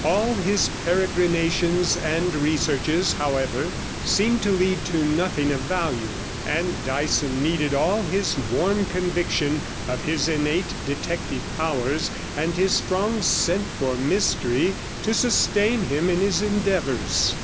All his peregrinations and researches, however, seemed to lead to nothing of value, and Dyson needed all his warm conviction of his innate detective powers and his strong scent for mystery to sustain him in his endeavours.